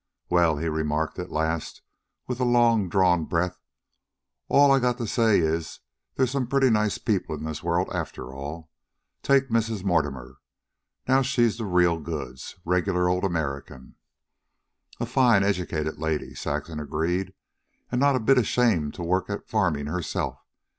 "Well," he remarked at last, with a long drawn breath, "all I've got to say is there's some pretty nice people in this world after all. Take Mrs. Mortimer. Now she's the real goods regular old American." "A fine, educated lady," Saxon agreed, "and not a bit ashamed to work at farming herself.